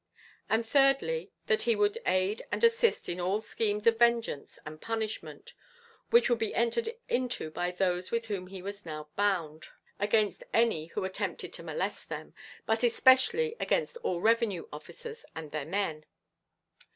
And thirdly, that he would aid and assist in all schemes of vengeance and punishment which would be entered into by those with whom he was now bound, against any who attempted to molest them, but especially against all Revenue officers and their men.